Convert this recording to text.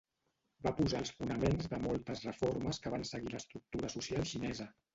Va posar els fonaments de moltes reformes que van seguir l'estructura social xinesa.